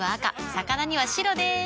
魚には白でーす。